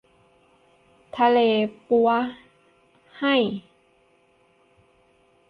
ทะเลปั๋วไห่